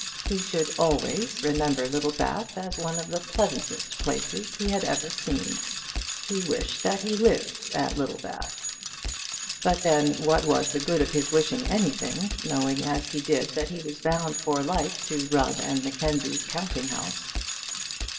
He should always remember Littlebath as one of the pleasantest places he had ever seen. He wished that he lived at Littlebath; but then what was the good of his wishing anything, knowing as he did that he was bound for life to Rubb and Mackenzie's counting house!